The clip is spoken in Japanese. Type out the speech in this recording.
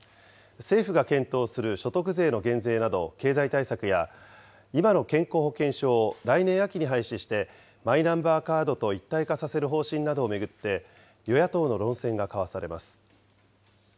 政府が検討する所得税の減税など、経済対策や、今の健康保険証を来年秋に廃止してマイナンバーカードと一体化させる方針などを巡って、与野党の論戦が交わされます。